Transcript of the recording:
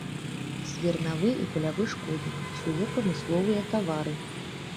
Свірнавы і палявы шкоднік, псуе прамысловыя тавары.